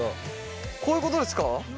こういうことですか？